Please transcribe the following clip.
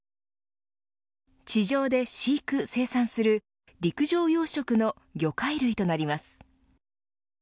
地上で飼育、生産する陸上養殖の魚介類となります。